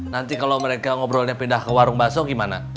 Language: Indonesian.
nanti kalau mereka ngobrolnya pindah ke warung bakso gimana